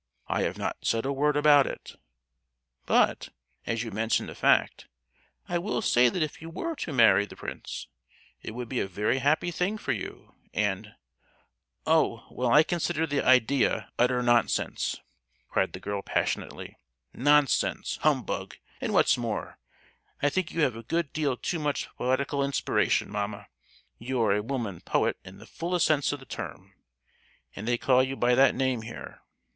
"I have not said a word about it; but, as you mention the fact, I will say that if you were to marry the prince it would be a very happy thing for you, and—" "Oh! Well, I consider the idea utter nonsense!" cried the girl passionately. "Nonsense, humbug! and what's more, I think you have a good deal too much poetical inspiration, mamma; you are a woman poet in the fullest sense of the term, and they call you by that name here!